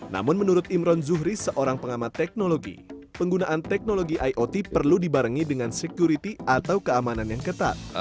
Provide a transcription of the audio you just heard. namun menurut imron zuhri seorang pengamat teknologi penggunaan teknologi iot perlu dibarengi dengan security atau keamanan yang ketat